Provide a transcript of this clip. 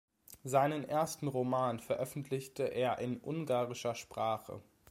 Seinen ersten Roman veröffentlichte er in ungarischer Sprache.